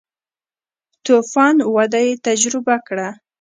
تو فان وده یې تجربه کړه.